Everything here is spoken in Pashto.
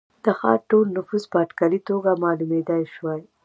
د ښار ټول نفوس په اټکلي توګه معلومېدای شوای.